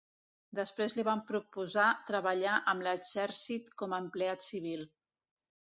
Després li van proposar treballar amb l'exèrcit com a empleat civil.